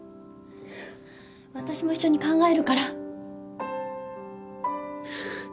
わたしも一緒に考えるから。